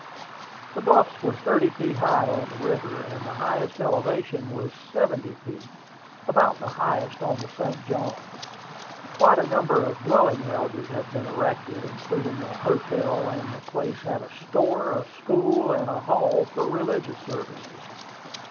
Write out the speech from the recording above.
The bluffs were thirty feet high on the river, and the highest elevation was seventy feet, about the highest on the St. Johns. Quite a number of dwelling houses had been erected, including a hotel, and the place had a store, a school, and a hall for religious services.